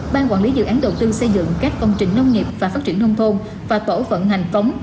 ban quản lý dự án đầu tư xây dựng các công trình nông nghiệp và phát triển nông thôn và tổ vận hành cống